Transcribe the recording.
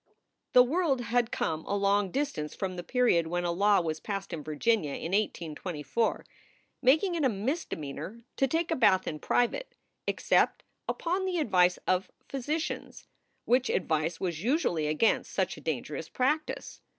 The world had come a long distance from the period when a law was passed in Virginia in 1824, making it a misde meanor to take a bath in private, except upon the advice of physicians, which advice was usually against such a dan gerous practice.